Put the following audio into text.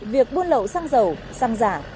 việc buôn lậu xăng dầu xăng giảng